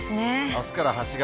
あすから８月。